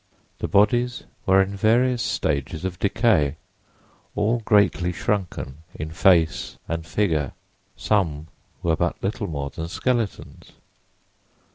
The bodies were in various stages of decay, all greatly shrunken in face and figure. Some were but little more than skeletons.